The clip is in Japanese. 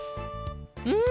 うん！